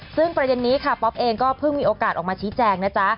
ซึ่งประเด็นนี้ค่ะป๊อปเองก็เพิ่งมีโอกาสออกมาชี้แจงนะจ๊ะ